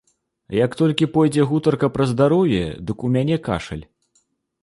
Як толькі пойдзе гутарка пра здароўе, дык у мяне кашаль.